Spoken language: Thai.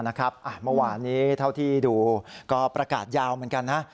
เมื่อวานนี้เท่าที่ดูก็ประกาศยาวเหมือนกันนะ